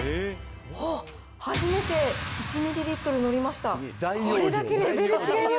おっ、初めて１ミリリットル乗りました。